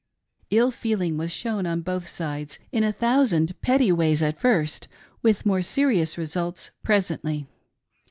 Ill feeling was shown on both sides ; in a thousand petty ways at first, with more serious results presently.